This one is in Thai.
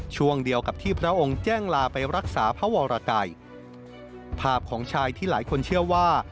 ช่วงเดียวกับที่พระองค์แจ้งลาไปรักษาพระวรกัยภาพของชายที่หลายคนเชื่อว่า